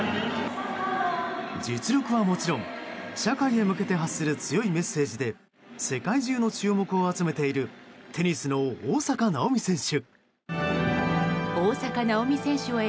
実力はもちろん社会へ向けて発する強いメッセージで世界中の注目を集めているテニスの大坂なおみ選手。